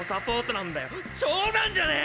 冗談じゃねえ！